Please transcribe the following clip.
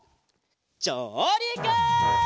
じょうりく！